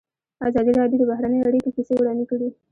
ازادي راډیو د بهرنۍ اړیکې کیسې وړاندې کړي.